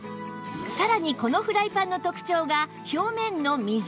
さらにこのフライパンの特徴が表面の溝